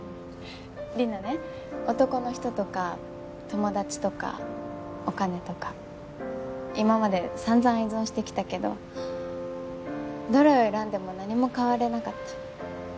リナね男の人とか友達とかお金とか。今まで散々依存してきたけどどれを選んでも何も変われなかった。